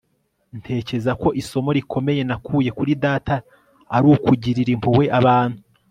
ntekereza ko isomo rikomeye nakuye kuri data ari ukugirira impuhwe abantu